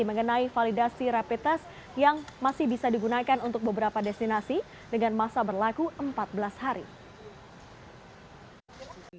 mengenai validasi rapid test yang masih bisa digunakan untuk beberapa destinasi dengan masa berlaku empat belas hari